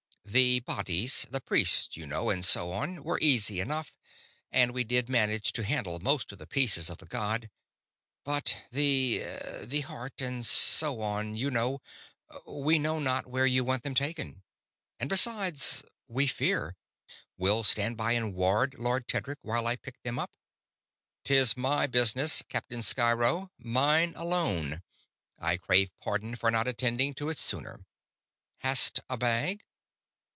"The bodies the priests, you know, and so on were easy enough; and we did manage to handle most of the pieces of the god. But the ... the heart, and so on, you know ... we know not where you want them taken ... and besides, we fear ... wilt stand by and ward, Lord Tedric, while I pick them up?" "'Tis my business, Captain Sciro; mine alone. I crave pardon for not attending to it sooner. Hast a bag?"